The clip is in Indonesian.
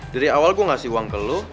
dari awal gue ngasih uang ke lu